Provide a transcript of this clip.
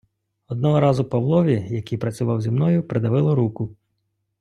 Одного разу Павлові, який працював зі мною придавило руку.